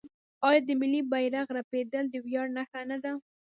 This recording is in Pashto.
آیا د ملي بیرغ رپیدل د ویاړ نښه نه ده؟